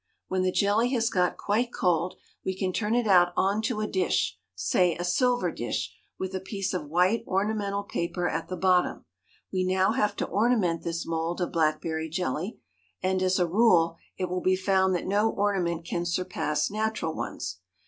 When the jelly has got quite cold we can turn it out on to a dish, say a silver dish, with a piece of white ornamental paper at the bottom. We now have to ornament this mould of blackberry jelly, and, as a rule, it will be found that no ornament can surpass natural ones.